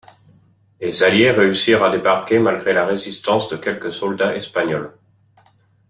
Les alliés réussirent à débarquer malgré la résistance de quelques soldats espagnols.